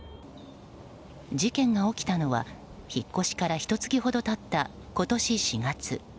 事件が起きたのは引っ越しからひと月ほど経った今年４月。